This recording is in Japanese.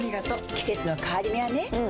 季節の変わり目はねうん。